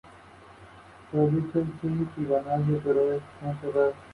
Tienen todas ellas características semejantes, entre las que destaca el pórtico de estilo flamígero.